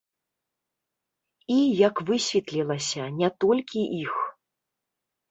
І, як высветлілася, не толькі іх.